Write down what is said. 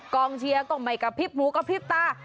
กองเชียร์ก็ไม่กระพริบหูกระพริบตา